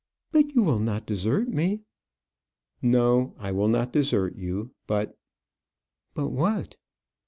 "But you will not desert me?" "No; I will not desert you. But " "But what?"